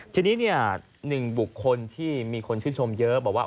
ทีนี้หนึ่งบุคคลที่มีคนชื่นชมเยอะบอกว่า